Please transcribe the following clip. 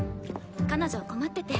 彼女困ってて。